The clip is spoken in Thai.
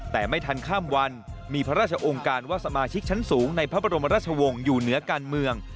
แต่ไม่ทันข้ามวันมีพระราชองค์การว่าสมาชิกชั้นสูงในพระบรมราชวงศ์อยู่เหนือการเมือง